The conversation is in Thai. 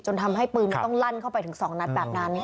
ทำให้ปืนมันต้องลั่นเข้าไปถึง๒นัดแบบนั้น